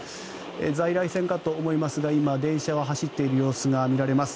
在来線かと思いますが今、電車が走っている様子が見えます。